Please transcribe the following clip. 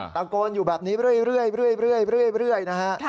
ตะโกนอยู่แบบนี้เรื่อยนะฮะ